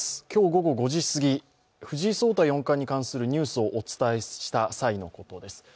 今日午後５時すぎ、藤井聡太四冠に関するニュースをお伝えした際のことです。